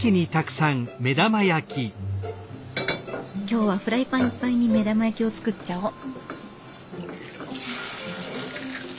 今日はフライパンいっぱいに目玉焼きを作っちゃおう。